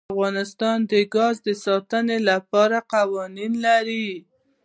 افغانستان د ګاز د ساتنې لپاره قوانین لري.